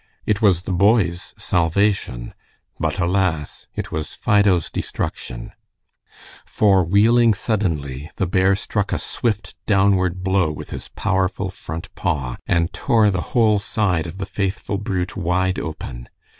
It was the boy's salvation, but alas! it was Fido's destruction, for wheeling suddenly, the bear struck a swift downward blow with his powerful front paw, and tore the whole side of the faithful brute wide open.